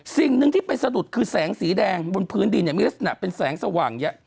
สิ่งหนึ่งที่ไปสะดุดคือแสงสีแดงบนพื้นดินเนี่ยมีลักษณะเป็นแสงสว่าง